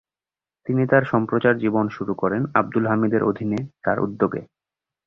তিনি তার সম্প্রচার জীবন শুরু করেন আবদুল হামিদের অধীনে তার উদ্যোগে।